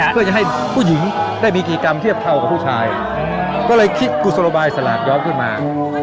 เพื่อจะให้ผู้หญิงได้มีกิจกรรมเทียบเท่ากับผู้ชายก็เลยคิดกุศโลบายสลากย้อมขึ้นมา